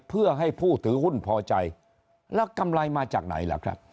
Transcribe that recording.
เพื่อให้ผู้ถือหุ้นพอใจแล้วกำไรมาจากไหนล่ะครับ